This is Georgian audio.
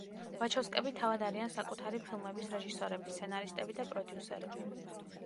ვაჩოვსკები თავად არიან საკუთარი ფილმების რეჟისორები, სცენარისტები და პროდიუსერები.